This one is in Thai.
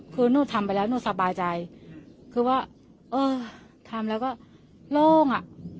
คือหนูทำไปแล้วหนูสบายใจคือว่าเออทำแล้วก็โล่งอ่ะ